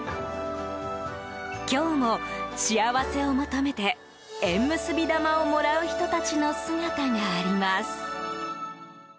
今日も、幸せを求めて縁結び玉をもらう人たちの姿があります。